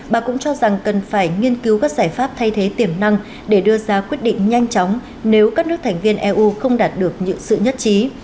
bà cũng cho rằng cần phải nghiên cứu các giải pháp thay thế tiềm năng để đưa ra quyết định nhanh chóng nếu các nước thành viên eu không đạt được những sự nhất trí